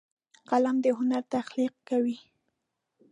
قلم د هنر تخلیق کوي